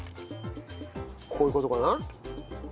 こういう事かな？